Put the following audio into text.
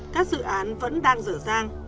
các dự án vẫn đang dở dang